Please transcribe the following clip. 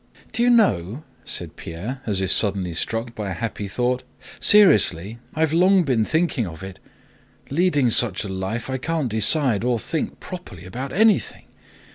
"Do you know?" said Pierre, as if suddenly struck by a happy thought, "seriously, I have long been thinking of it.... Leading such a life I can't decide or think properly about anything.